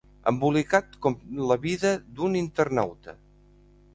Embolicat com la vida d'un internauta.